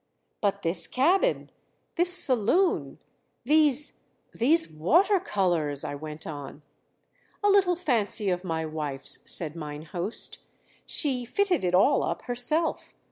"But this cabin this saloon these these water colors!" I went on. "A little fancy of my wife's," said mine host. "She fitted it all up herself.